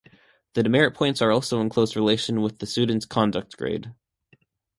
The demerit points are also in close relation with the students' conduct grade.